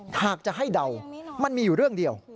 หากจะให้เดามันมีอยู่เรื่องเดียว